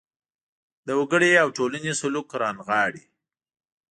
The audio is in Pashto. د وګړي او ټولنې سلوک رانغاړي.